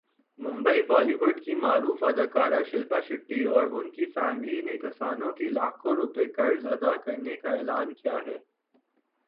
Mumbai Bollywood کی معروف اداکارہ شلپا شیٹھی اور اُن کی فیملی نے کسانوں کے لاکھوں روپے قرض ادا کرنے کا اعلان کیا ہے